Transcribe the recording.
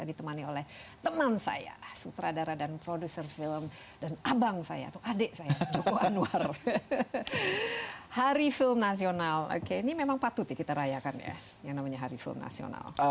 kita merayakan ya yang namanya hari film nasional